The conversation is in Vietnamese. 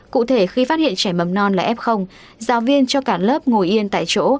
cụ thể khi phát hiện trẻ mầm non là f giáo viên cho cả lớp ngồi yên tại chỗ